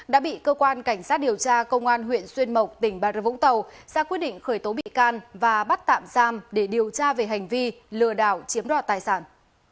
đã bị cơ quan cảnh sát điều tra công an huyện xuyên mộc tỉnh bà rập vũng tàu ra quyết định khởi tố bị can và bắt tạm giam để điều tra về hành vi lừa đảo chiếm đoạt tài sản